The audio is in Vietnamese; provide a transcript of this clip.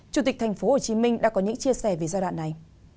chủ tịch tp hcm đã có những chia sẻ về giai đoạn này